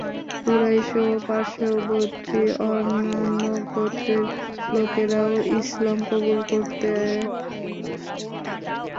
কুরাইশ ও পার্শ্ববর্তী অন্যান্য গোত্রের লোকেরাও ইসলাম কবুল করতে আসতে থাকে।